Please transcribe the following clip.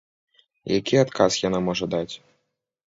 Які адказ яна можа даць?